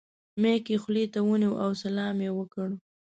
مایک یې خولې ته ونیو او سلام یې وکړ.